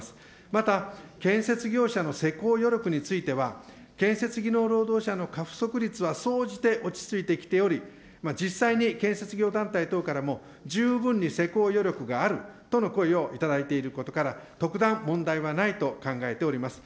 また、建設業者の施工余力については、建設技能労働者の過不足率は総じて落ち着いてきており、実際に建設業団体等からも十分に施工余力があるとの声を頂いていることから、特段問題はないと考えております。